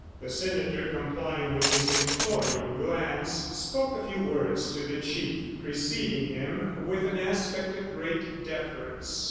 The senator, complying with his imploring glance, spoke a few words to the chief preceding him with an aspect of great deference.